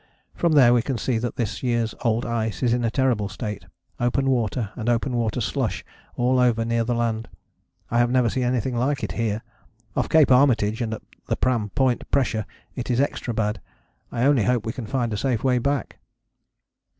From there we can see that this year's old ice is in a terrible state, open water and open water slush all over near the land I have never seen anything like it here. Off Cape Armitage and at the Pram Point pressure it is extra bad. I only hope we can find a safe way back."